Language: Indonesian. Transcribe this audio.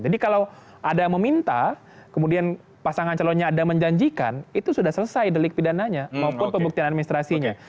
jadi kalau ada meminta kemudian pasangan calonnya ada menjanjikan itu sudah selesai delik pidananya maupun pembuktian administrasinya